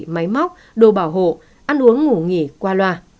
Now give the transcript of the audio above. máy móc đồ bảo hộ ăn uống ngủ nghỉ qua loa